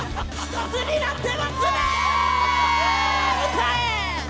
歌え！